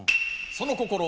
その心は？